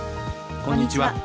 こんにちは。